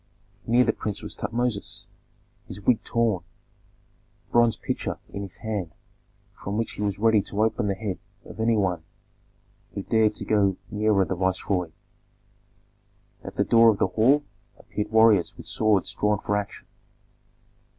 Near the prince was Tutmosis, his wig torn, a bronze pitcher in his hand with which he was ready to open the head of any one who dared to go nearer the viceroy. At the door of the hall appeared warriors with swords drawn for action.